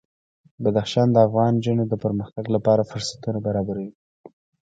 بدخشان د افغان نجونو د پرمختګ لپاره فرصتونه برابروي.